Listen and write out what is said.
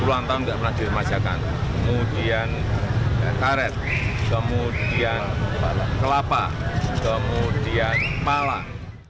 pulang tahun tidak pernah dimasakkan kemudian karet kemudian kelapa kemudian palang